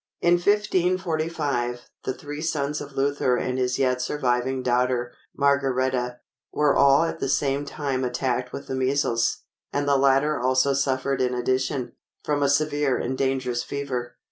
In 1545, the three sons of Luther and his yet surviving daughter, Margaretta, were all at the same time attacked with the measles, and the latter also suffered in addition, from a severe and dangerous fever.